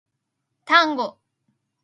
タンゴ